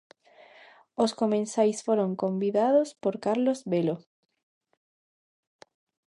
Os comensais foron convidados por Carlos Velo.